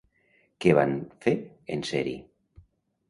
Què van fer en ser-hi?